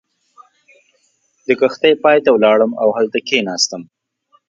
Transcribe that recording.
د کښتۍ پای ته ولاړم او هلته کېناستم.